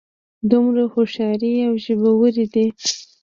دومره هوښیارې او ژبورې دي.